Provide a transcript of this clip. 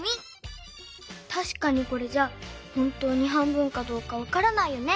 たしかにこれじゃほんとに半分かどうかわからないよね。